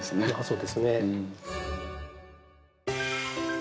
そうですね。